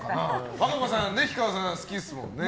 和歌子さん、氷川さん好きですもんね。